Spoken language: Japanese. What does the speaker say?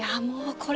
これ。